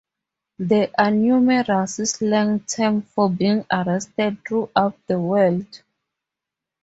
There are numerous slang terms for being arrested throughout the world.